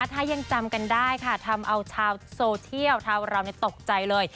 ถ้ายังจำกันได้ค่ะทำเอาชาวโซเชียลชาวเราตกใจเลย